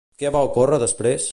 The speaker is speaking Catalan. Què va ocórrer després?